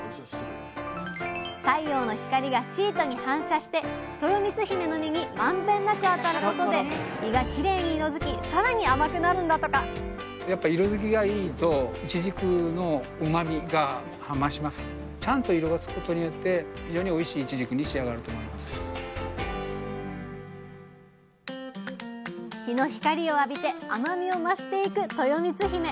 太陽の光がシートに反射してとよみつひめの実にまんべんなく当たることで実がきれいに色づきさらに甘くなるんだとか日の光を浴びて甘みを増していくとよみつひめ。